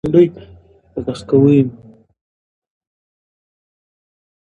ژوند انسان ته دا ښيي چي هره شېبه ارزښت لري.